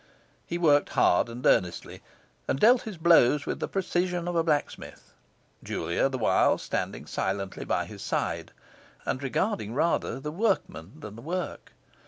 He worked hard and earnestly, and dealt his blows with the precision of a blacksmith; Julia the while standing silently by his side, and regarding rather the workman than the work.